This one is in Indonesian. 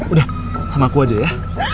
udah sama aku aja ya